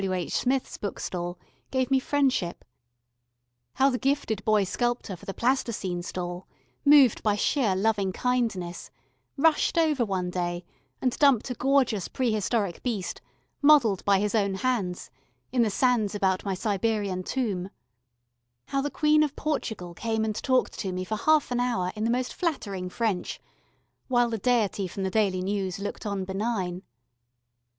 W. H. Smith's bookstall gave me friendship, how the gifted boy sculptor for the Plasticine stall, moved by sheer loving kindness, rushed over one day and dumped a gorgeous prehistoric beast, modelled by his own hands, in the sands about my Siberian tomb, how the Queen of Portugal came and talked to me for half an hour in the most flattering French, while the Deity from the Daily News looked on benign.